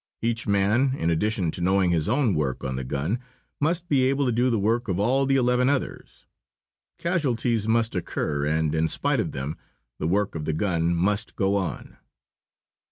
Each man, in addition to knowing his own work on the gun, must be able to do the work of all the eleven others. Casualties must occur, and in spite of them the work of the gun must go on.